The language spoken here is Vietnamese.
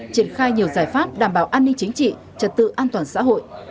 triển khai nhiều giải pháp đảm bảo an ninh chính trị trật tự an toàn xã hội